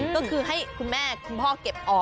ก็คือให้คุณแม่คุณพ่อเก็บออก